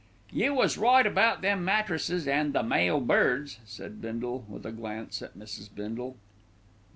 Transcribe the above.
"You was right about them mattresses and the male birds," said Bindle, with a glance at Mrs. Bindle.